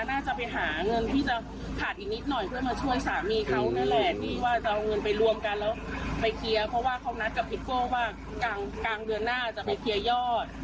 เพราะว่าเค้านัดกับฮิตโก้ว่ากลางเดือนหน้าจะไปเคลียร์ยอด